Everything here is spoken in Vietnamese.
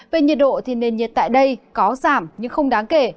về nhiệt độ thì nền nhiệt tại đây có giảm nhưng không đáng kể